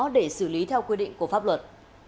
để xử lý theo quy định của pháp luật